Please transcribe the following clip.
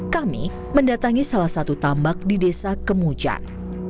kami mendatangi salah satu tambak di desa kemujan